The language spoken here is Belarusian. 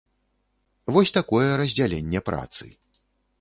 Вось такое раздзяленне працы.